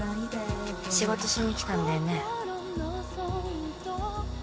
仕事しに来たんだよね